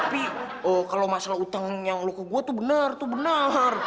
tapi kalo masalah utang yang lo ke gue tuh bener tuh bener